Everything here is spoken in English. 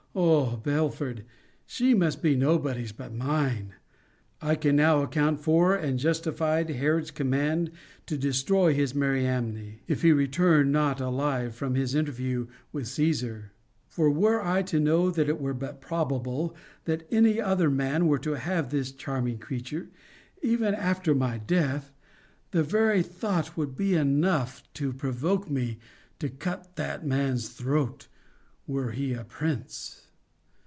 O Belford! she must be nobody's but mine. I can now account for and justify Herod's command to destroy his Mariamne, if he returned not alive from his interview with Caesar: for were I to know that it were but probable that any other man were to have this charming creature, even after my death, the very thought would be enough to provoke me to cut that man's throat, were he a prince.